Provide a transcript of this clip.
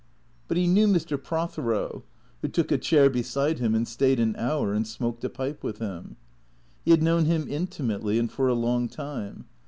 But he knew Mr, Prothero, who took a chair beside him and stayed an hour and smoked a pipe with him. He had known him intimately and for a long time.